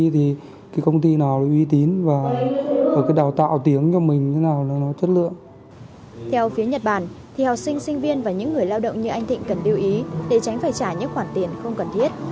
theo phía nhật bản thì học sinh sinh viên và những người lao động như anh thịnh cần lưu ý để tránh phải trả những khoản tiền không cần thiết